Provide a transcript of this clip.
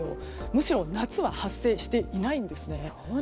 むしろ夏は発生していないんですね。